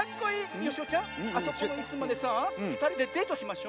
よしおちゃんあそこのいすまでさあふたりでデートしましょ。